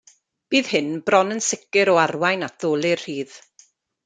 Bydd hyn bron yn sicr o arwain at ddolur rhydd.